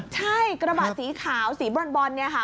ใช่กระบะสีขาวสีบรอนเนี่ยค่ะ